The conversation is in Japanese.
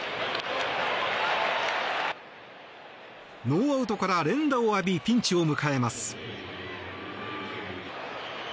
ノーアウトから連打を浴びピンチを迎えます。